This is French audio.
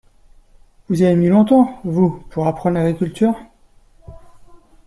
Vous avez mis longtemps, vous, pour apprendre l’agriculture?